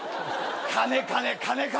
金金金金